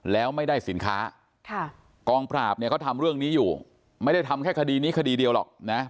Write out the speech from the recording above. แล้วไม่ได้สินค้ากองปราบเนี่ยเขาทำเรื่องนี้อยู่ไม่ได้ทำแค่คดีนี้คดีเดียวหรอกนะ